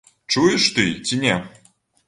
Чуеш ты ці не?